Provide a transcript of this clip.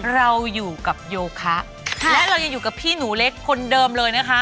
เราอยู่กับโยคะและเรายังอยู่กับพี่หนูเล็กคนเดิมเลยนะคะ